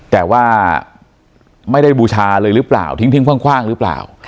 แต่ว่าไม่ได้บูชาเลยหรือเปล่าทิ้งคว่างหรือเปล่า